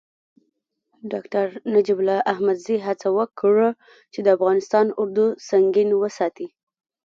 ډاکتر نجیب الله احمدزي هڅه وکړه چې د افغانستان اردو سنګین وساتي.